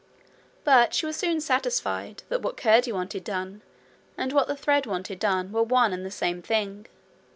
But she was soon satisfied that what Curdie wanted done and what the thread wanted done were one and the same thing.